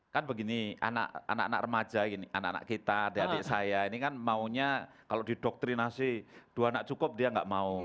kan begini anak anak remaja ini anak anak kita adik adik saya ini kan maunya kalau didoktrinasi dua anak cukup dia nggak mau